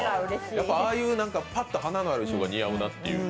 やっぱああいう、パッと花のある姿が似合うなっていう。